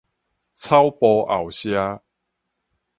草埔後社